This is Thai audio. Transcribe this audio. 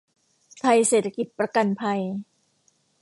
ไทยเศรษฐกิจประกันภัย